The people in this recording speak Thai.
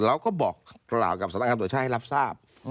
เราก็บอกกล่าวกับสนักการณ์ตัวช่างให้รับทราบ